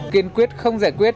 kiên quyết không giải quyết